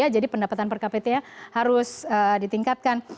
jadi pendapatan per kpt harus ditingkatkan